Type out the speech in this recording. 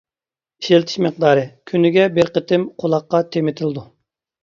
ئىشلىتىش مىقدارى: كۈنىگە بىر قېتىم قۇلاققا تېمىتىلىدۇ.